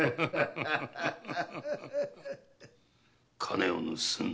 金を盗んだ。